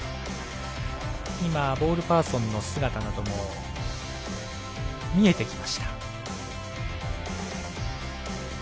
ボールパーソンの姿なども見えてきました。